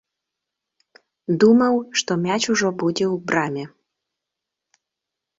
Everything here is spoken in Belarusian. Думаў, што мяч ужо будзе ў браме.